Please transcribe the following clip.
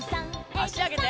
あしあげて。